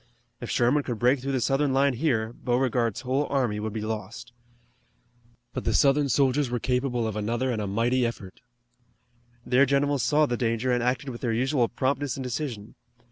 If Sherman could break through the Southern line here Beauregard's whole army would be lost. But the Southern soldiers were capable of another and a mighty effort. Their generals saw the danger and acted with their usual promptness and decision.